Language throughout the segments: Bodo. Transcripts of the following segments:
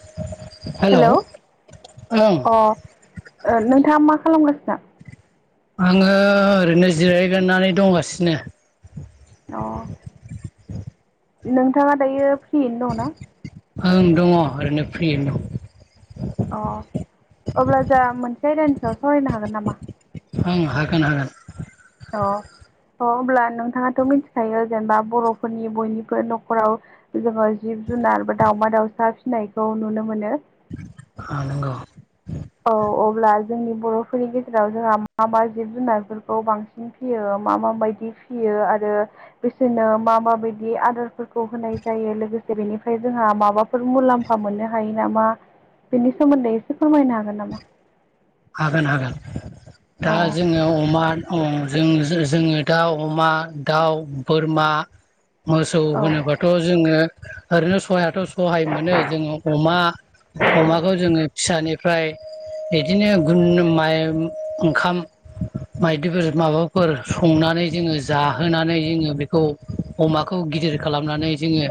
[inaudible] हेलौ ओं अ ओ नोंथाङा मा खालामगासिनो? आङो ओरैनो जिरायगोरनानै दंगासिनो। अ नोंथाङा दायो फ्रियैनो दंना ओं दङ ओरैनो फ्रियैनो दं। अ, अब्ला जाहा मोनसे आयदानि सायाव सावरायनो हागोन नामा? ओं हागोन हागोन। अ अ अब्ला नोंथाङाथ' मिथिखायो जेनेबा बर'फोरनि बयनिबो न'खराव जोङो जिब जुनार बा दाउमा-दाउसा फिनायखौ नुनो मोनो। औ नांगौ। औ अब्ला जोंनि बर'फोरनि गेजेराव जोंहा मा मा जिब-जुनारफोरखौ बांसिन फियो मा माबायदि फियो आरो बिसोरनो मा माबायदि आदारफोरखौ होनाय जायो लोगो से बेनिफ्राय जोंहा माबा फोर मुलाम्फा मोननो हायो नामा बेनि सोमोन्दै एसे फोरमायनो हागोन नामा? हागोन हागोन अ दा जोङो अमा ओम जों जों जोङो दाउ, अमा, दाउ, बोरमा, मोसौ औ होनोबाथ' जोङो ओरैनो सहायाथ' सहाय मोनो जोङो अमा अमाखौ जोङो फिसानिफ्राय दे बिदिनो गुन माइ ओंखाम मायदिफोर माबाफोर संनानै जोङो जाहोनानै जोङो बेखौ अमाखौ गिदिर खालामनानै जोङो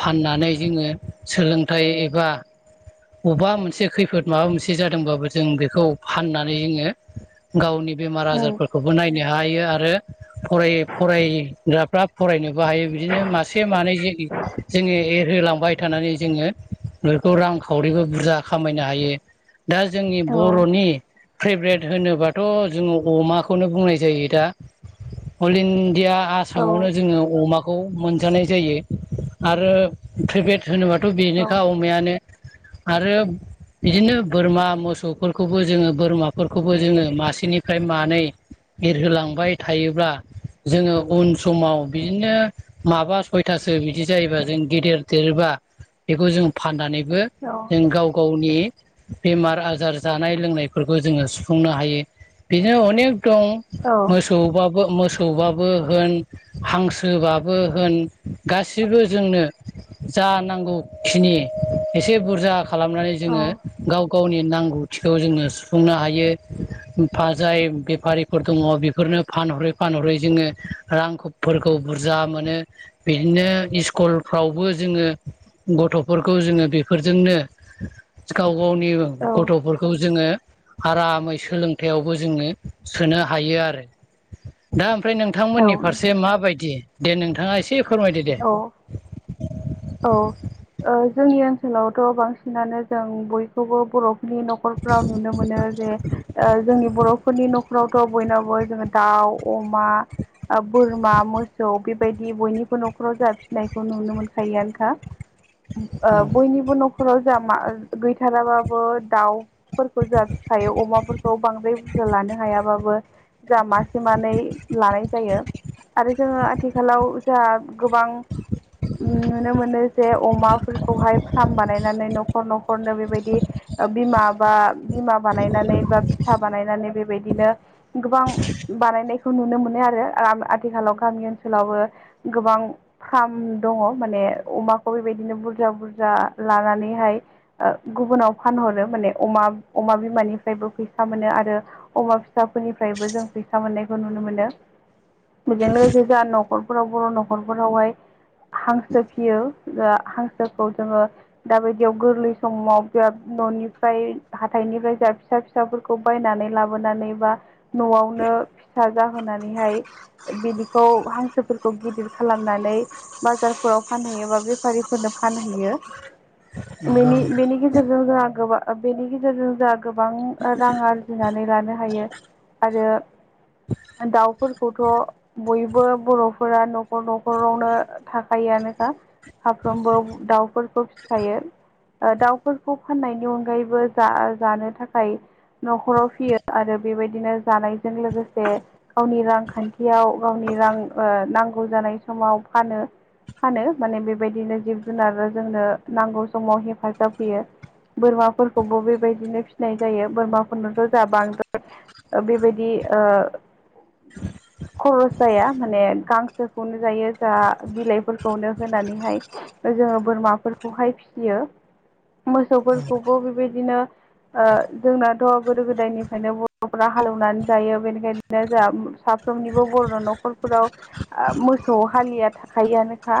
फाननानै जोङो सोलोंथाइ एबा अबा मोनसे खैफोद माबा मोनसे जादोंबाबो जों बेखौ फाननानै जोंङो गावनि उम बेमार-आजारफोरखौबो नायनो हायो आरो फराय फरायग्राफ्रा फरायनोबो हायो बिदिनो मासे मानै जि जोङो एरहोलांबाय थानानै जोङो बेफोरखौ रांखावरिबो बुरजा खामायनो हायो। दा जोंनि औ बर'नि फ्रेभ्रेरेट होनोबाथ' जोङो अमाखौनो बुंनाय जायो दा अल इण्डिया औ आसामावनो जोङो अमाखौ मोनजानाय जायो आरो प्रेभेट होनोबा थ' औ बेनोखा अमायानो आरो बिदिनो बोरमा मोसौफोरखौबो जोङो बोरमाफोरखौबो जोङो मासेनिफ्राय मानै एरहोलांबाय थायोब्ला जोङो उन समाव बिदिनो माबा सयथासो बिदि जायोबा जों गेदेर देरोबा बेखौ जों फाननानैबो औ जों गाव गावनि बेमार आजार आजार जानाय लोंनायफोरखौ जोङो सुफुंनो हायो बिनो अनेक दं औ मोसौ बाबो मोसौ सौबाबो होन हांसोबाबो होन गासिबो जोंनो जा नांगौखिनि एसे बुरजा खालामनानै जोङो औ गाव गावनि नांगौ गौथिखौ जोङो सुफुंनो हायो। फाजाय बेफारिफोर दङ बेफोरनो फानहरै फानहरै जोङो रांखौफोरखौ बुरजा मोनो बिदिनो इस्कलफ्रावबो जोङो गथ'फोरखौ जोङो बेफोरजोंनो गाव गावनि गथ'फोरखौ जोङो आरामै सोलोंथायावबो जोङो सोनो हायो आरो दा ओमफ्राय नोंथांमोननि औ फारसे माबायदि दे नोंथाङा एसे फोरमायदो दे। औ औ औ ओ जोंनि ओनसोलावथ' बांसिनानो जों बयखौबो बर' नि न'खरफ्राव नुनो मोनो जे जोंनि ओ बर' फोरनि न'खरावथ' बयनावबो जोङो दाउ, अमा ओ बोरमा, मोसौ, बेबायदि बयनिबो न'खराव जाफिननायखौ नुनो मोन खायोआनोखा ओ बयनिबो न' खराव जा मा गैथाराबाबो दाउफोरखौ जाहा फिखायो अमाफोर खौ बांद्राय बुरजा लानो हायाबाबो जा मासे मानै लानाय जायो। आरो जोङो आथिखालाव जाहा गोबां नुनो मोनो जे अमाफोरखौहाय फार्म बानायनानै न'खर न'खरनो बेबायदि बिमा बा बिमा बानायनानै बा फिसा बानायनानै बेबायदिनो गोबां बानायनायखौ नुनो मोनो आरो आथिखालाव गामि ओनसोलावबो गोबां फार्म दङ माने अमाखौ बेबायदिनो बुरजा बुरजा लानानैहाय गुबुनाव फानह हरो माने अमा अमा बिमानिफ्रायबो फैसा मोनो आरो अमा फिसाफोरनिफ्रायबो जों फैसा मोननायखौ नुनो मोनो बेजों लोगोसे जा न'खरफोराव बर' न'खरफोरावहाय हांसो फियो दा हांसोखौ जोङो दाबायदियाव गोरलै समाव बिराद मो निफ्राय हाथाइनिफ्राय जा फिसा फिसाफोरखौ बायनानै लाबोनानै बा न'आवनो फिसा जाहोनानैहाय बिदिखौ हांसोफोरखौ गिदिर खालामनानै बाजारफोराव फानहैयो बा बेफारिफोरनो फानहैयो बेनि बेनि गेजेर गेजेरजों जोंहा गोबां बेनि गेजेरजों जोंहा गोबां रां आरजिनानै लानो हायो। आरो दाउफोरखौथ' बयबो बर'फोरा न'खर न'खरावनो थाखायोआनोखा साफ्रोमबो दाउफोरखौ फिखायो। दाउफोरखौ फाननायनि अनगायैबो जा-जानो थाखाय न'खराव फियो आरो बेबायदिनो जानायजों लोगोसे गावनि रांखान्थियाव गावनि रां ओ नांगौ जानाय समाव फानो। फानो माने बेबायदिनो जिब जुनारा जोंनो नांगौ समाव हेफाजाब होयो। बोरमाफोरखौबो बेबायदिनो फिसिनाय जायो बोरमाफोरनोथ' जा बांद्राय ओ बेबायदि ओ [unintelligible] खरस जाया माने गांसोखौनो जायो जा बिलाइ फोरखौनो होनानैहाय जोङो बोरमाफोरखौहाय फियो‌। मोसौफोरखौबो बेबायदिनो ओ जोंनाथ' गोदो गोदायनिफ्रायनो बर'फ्रा हालेवनानै जायो बेनिखायनो जोंहा साफ्रोमनिबो बर' न'खरफोराव आ मोसौ हालिया थाखायोआनोखा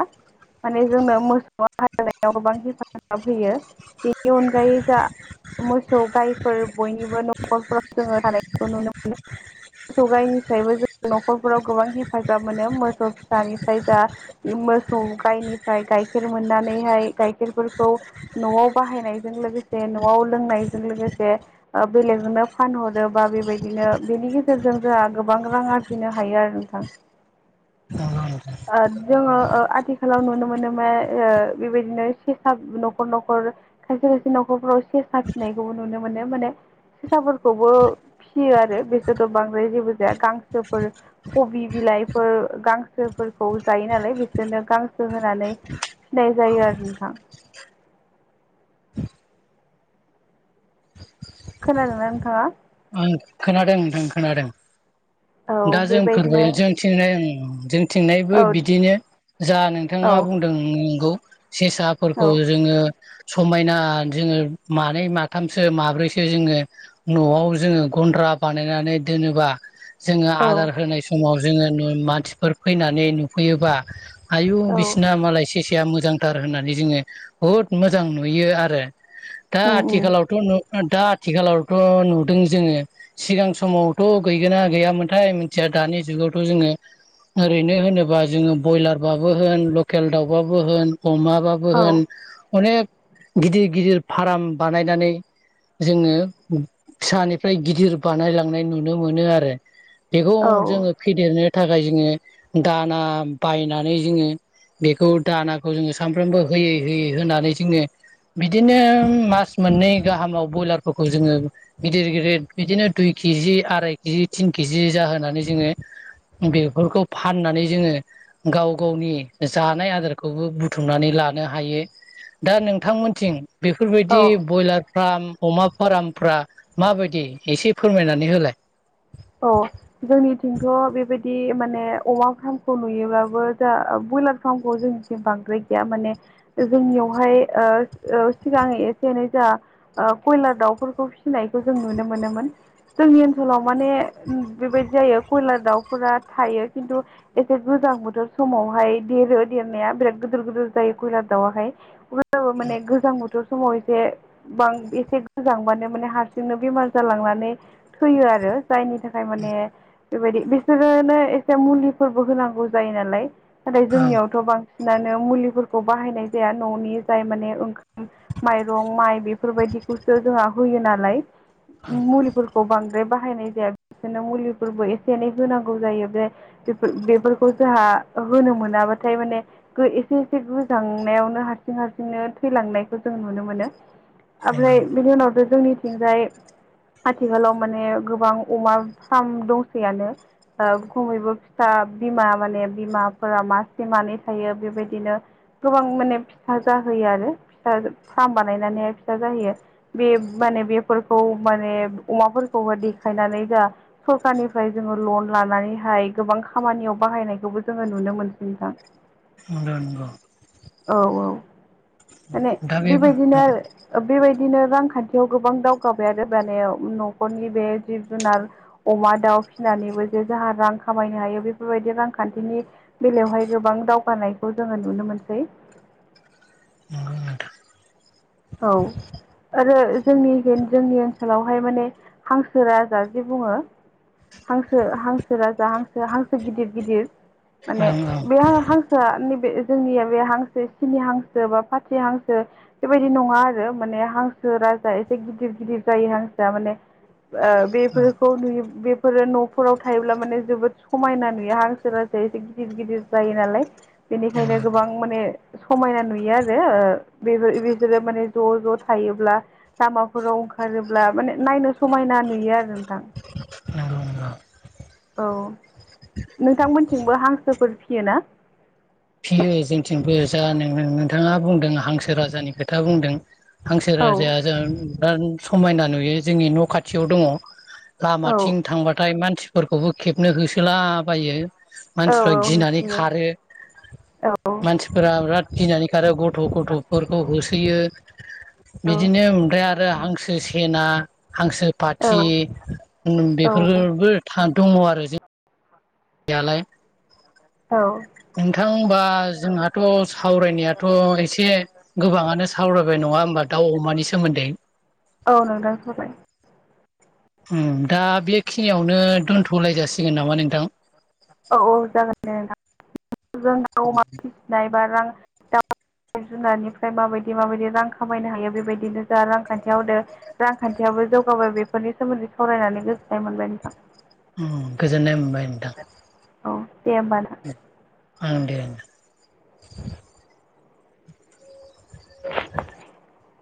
माने जोंनो मोसौआ हालनायाव गोबां हेफाजाब होयो बेनि अनगायै जा मोसौ गायफोर बयनिबो न'खरफोराव जोङो थानायखौ नुनो मोनो। मोसौ गायनिफ्रायबो जों न'खरफोराव गोबां हेफाजाब मोनो मोसौ फिसानिफ्राय जा मोसौ गायनिफ्राय गाइखेर मोननानैहाय गाइखेरफोरखौ न'आव बाहायनायजों लोगोसे न'आव लोंनायजों लोगोसे बेलेगजोंनो फानहरो बा बेबायदिनो बेनि गे गेजेरजों जोंहा गोबां रां आरजिनो हायो आरो नोंथां। ओ जोङो ओ आथिखालाव नुनो मोनो मा बेबायदिनो सेसाब न'खर न'खर खायसे खायसे न'खर नखराव सेरसा फिसिनायखौबो नुनो मोनो माने सेसाफोरखौबो फिसियो आरो बेसोरथ' बांद्राय जेबो जाया गांसोफोर कबि बिलाइ बिलाइफोर गां सोफोरखौ जायो नालाय बिसोरनो गांसो होनानै फिनाय जायो आरो नोंथां। [unintelligible] खोनादोंना नोंथाङा। आं खोनादों नोंथां खोनादों औ दा जों फोरबो बेबायदिनो जों थिंनाय आं जों थिंनायबो औ बिदिनो जा औ नोंथाङा बुंदों नंगौ सेसाफोरखौ जोङो समायना जोङो मानै माथामसो माब्रैसो जोङो न'आव जोङो गन्द्रा बानायनानै दोनोबा जोङो औ आदार होनाय समाव जोङो मानसिफोर फैनानै नुफैयोबा आयु औ बिसिना मालाय सेस मोजांथार होननानै जोङो बुहुत मोजां नुयो आरो दा उम उम आथिखालावथ' दा आथिखालावथ' नु। दों जोङो सिगां समावथ' गैगोना गैयामोनथाय मिथिया दानि जुगावथ' जोङो। ओरैनो होनोबा जोङो बयलारबाबो होन लकेल दाउबाबो होन। अमाबाबो औ होन अनेक। गिदिर गिदिर फाराम बानायनानै जोङो। फिसानिफ्राय गिदिर बानायलांनाय नुनो मोनो आरो बेखौ औ जोङो फेदेरनो। थाखाय जोङो दाना बायनानै जोङो। बेखौ दानाखौ जोङो सानफ्रोमबो होयै होयै होनानै जोङो। बिदिनो मास मोननै गाहामाव ब्रयलारफोरखौ जोङो। गिदिर गिदिर बिदिनो दुइ केजि आराय केजि तिन केजि जाहोनानै जोङो। बेफोरखौ फाननानै जोङो गाव गावनि जानाय आदारखौबो बुथुमनानै। लानो हायो दा नोंथांमोनथिं। बेफोरबायदि औ ब्रयलार फार्म अमा फार्मफ्रा। माबायदि एसे फोरमायनानै होलाय? बे माने अमा फार्मखौ नुयोब्लाबो जा ब्रयलार फार्मखौ जोंनिथिं बांद्राय गैया माने। जोंनियावहाय ओ ओ सिगाङै एसे एनै जा। फिनायखौ जों नुनो मोनोमोन जोंनि ओनसोलाव माने। बेबायदि जायो कयलार दाउफोरा थायो खिन्थु एसे गो। देरो देरनाया बिराद गिदोर गिदोर जायो खयलार दाउहाय माने गोजां। बे समाव एसे बां एसे गोजांबानो माने हारसिंनो बेमार जालांनानै थैयो आरो। जायनि थाखाय माने बेबायदि बिसोरो एसे मुलिफोरबो होनांगौ जायो नालाय। नाथाय औ जोंनियावथ' बां। सिनानो मुलिफोरखौ बाहायनाय जाया न'नि जाय माने ओंखाम माइरं माइ बेफोरबायदि। बेखौसो जोंहा होयो नालाय मुलिफोरखौ बांद्राय बाहायनाय। बिसोरनो मुलिफोरबो एसे एनै होनांगौ जायो बे बेफोरखौ जोंहा होनो। मोनाबाथाय माने एसे एसे गोजांनायावनो हारसिं हारसिंनो थैलांनायखौ जों नुनो मोनो। नंगौ ओमफ्राय बिनि उनावथ' जोंनिथिंजाय आथिखालाव माने गोबां। अमा फार्म दंसैयानो। ओ खमैबो फिथा बिमा माने बिमाफोरा मासे मानै थायो बेबायदिनो। गोबां माने फिसा जाहोयो आरो फिसा फार्म बानायनानैहाय फिसा जाहोयो बे। माने बेफोरखौ माने अमाफोरखौहाय। नानै दा सरखारनिफ्राय जोङो लन लानानैहाय गोबां खामानियाव बाहायनायखौबो जोङो नु। नो मोनसैथां। [inaudible] औ औ माने दा बे ओं बेबायदिनो आरो बेबाय। दिनो रांखान्थियाव गोबां दावगाबाय आरो माने न'खरनि बे। जिब जुनार अमा दाउ फिसिनानैबो जे जाहा रां खामायनो हायो बेफोरबायदि रांखान्थिनि। बेलायावहाय गोबां दावगानायखौ जोङो नुनो मोनसै। [inaudible] औ। आरो जोंनि जोंनि ओनसोलावहाय माने हांसो राजा जि बुङो। हांसो हांसो राजा हांसो हांसो गिदिर गिदिर। माने औ बे हा-हांसोआ नैबे। जोंनिया बे हांसो सिनि हांसो बा फाथि हांसो। बायदि नङा आरो माने हांसो राजा एसे गिदिर गिदिर जायो हांसोआ माने। ओ बेफोरखौ नुयो बे। फोरो न'फोराव थायोब्ला माने जोबोद समायना नुयो हांसो हांसो एसे गिदिर गिदिर जायो नालाय। बेनिखायनो गोबां माने समायना नुयो आरो। बिसोरो माने ज' ज' थायोब्ला लामाफोराव ओंखारोब्ला माने नायनो समायना नुयो आरो। नोंथां। नंगौ औ नोंथांमोनथिंबो हांसोफोर फिसियो ना? फियो जोंथिंबो। जा न नोंथाङा बुंदों हांसो राजानि खोथा बुंदों हांसो औ राजाया जों बिरा समायना नुयो। जोंनि न' खाथियाव दङ। औ लामाथिं थांबाथाय मानसिफोरखौबो खेबनो होसोलाबायो। मानसिफ्रा औ गिनानै होसोयो खारो औ मानसिफोरा बिराद गिनानै खारो गथ' गथ' गथ'फोरखौ होसोयो। बिदिनो ओमफ्राय आरो हांसो सेना हांसो पाथि औ बेफोरबो दङ आरो। जों गदालाय [unintelligible] [inaudible] औ। होनबा जोंहाथ' सावरायनायाथ' एसे गोबाङानो सै। सावरायबाय नङा होमबा दाउ अमानि सोमोन्दै। औ नोंथां सबाय उम। दा बेखिनियावनो दोनथ'लाय जासिगोन नामा नोंथां? औ औ जागोन नोंथां। जों दा अमा फिसिनाय बा रां दाउ जिब जुनारनिफ्राय माबायदि माबायदि रां खामायनो हायो। बेबायदिनो जा रांखान्थियाव होदो रांखान्थियावो जौगाबाय बेफोरनि सोमोन्दै सावरायनानै गोजोननाय मोनबाय नोंथां। उम। गोजोननाय मोनबाय नोंथां। औ। दे होमबा नोंथां ओं दे। [inaudible]